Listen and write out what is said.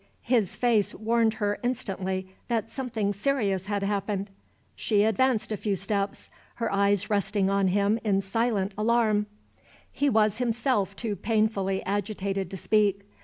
His face warned her instantly that something serious had happened. She advanced a few steps, her eyes resting on him in silent alarm. He was himself too painfully agitated to speak.